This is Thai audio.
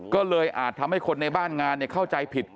ก็เลยอาจทำให้คนในบ้านงานเข้าใจผิด